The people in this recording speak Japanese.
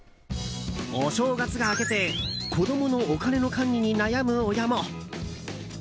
お正月が明けて子供のお金の管理に悩む親も。